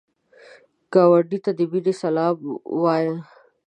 ګاونډي ته د مینې سلام وایه